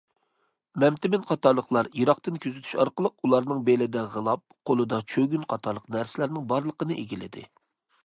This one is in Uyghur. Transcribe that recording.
مەمتىمىن قاتارلىقلار يىراقتىن كۆزىتىش ئارقىلىق ئۇلارنىڭ بېلىدە غىلاپ، قولىدا چۆگۈن قاتارلىق نەرسىلەرنىڭ بارلىقىنى ئىگىلىدى.